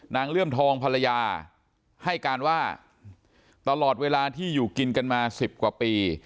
เลื่อมทองภรรยาให้การว่าตลอดเวลาที่อยู่กินกันมา๑๐กว่าปี